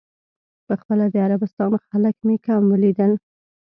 په خپله د عربستان خلک مې کم ولیدل.